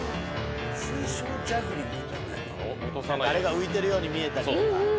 あれが浮いてるように見えたり。